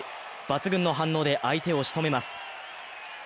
抜群の反応で相手をしとめます。